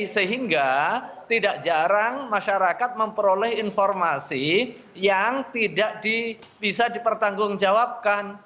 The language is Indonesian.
sehingga tidak jarang masyarakat memperoleh informasi yang tidak bisa dipertanggungjawabkan